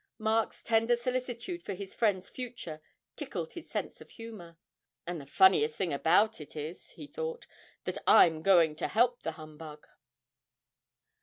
Mark's tender solicitude for his friend's future tickled his sense of humour. 'And the funniest thing about it is,' he thought, 'that I'm going to help the humbug!'